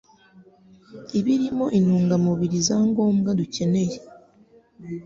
ibirimo intungamubiri za ngombwa dukeneye